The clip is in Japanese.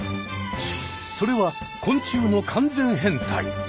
それは昆虫の完全変態。